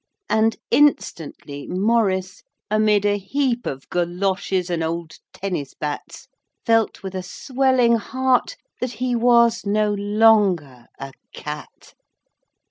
And instantly Maurice, amid a heap of goloshes and old tennis bats, felt with a swelling heart that he was no longer a cat.